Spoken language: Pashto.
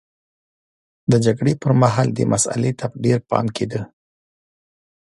د جګړې پرمهال دې مسئلې ته ډېر پام کېده.